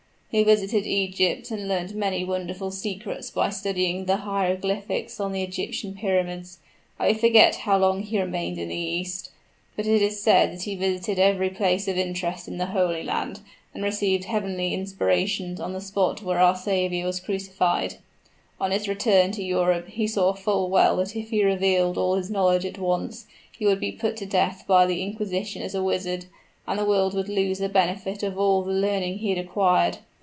He visited Egypt, and learnt many wonderful secrets by studying the hieroglyphics on the Egyptian pyramids. I forget how long he remained in the East; but it is said that he visited every place of interest in the Holy Land, and received heavenly inspirations on the spot where our Saviour was crucified. On his return to Europe, he saw full well that if he revealed all his knowledge at once, he would be put to death by the inquisition as a wizard, and the world would lose the benefit of all the learning he had acquired.